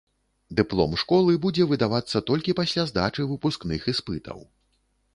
Дыплом школы будзе выдавацца толькі пасля здачы выпускных іспытаў.